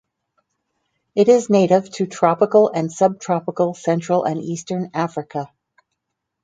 It is native to tropical and subtropical central and eastern Africa.